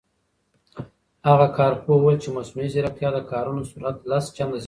هغه کارپوه وویل چې مصنوعي ځیرکتیا د کارونو سرعت لس چنده زیاتوي.